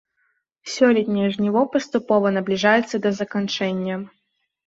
Сёлетняе жніво паступова набліжаецца да заканчэння.